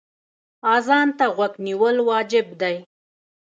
اذان ته غوږ نیول واجب دی.